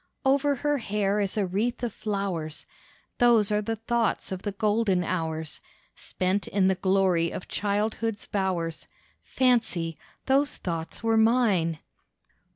Over her hair is a wreath of flowers, Those are the thoughts of the golden hours Spent in the glory of childhood's bowers, Fancy, those thoughts were mine!